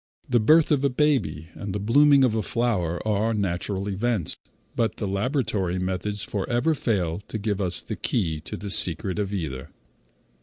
The birth of a baby, and the blooming of a flower, are natural events, but the laboratory methods forever fail to give us the key to the secret of either.